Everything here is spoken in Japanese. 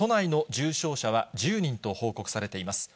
重症者は１０人と報告されています。